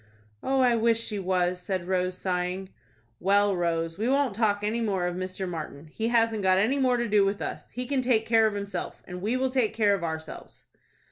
"Oh, I wish she was," said Rose, sighing. "Well, Rose, we won't talk any more of Mr. Martin. He hasn't got any more to do with us. He can take care of himself, and we will take care of ourselves."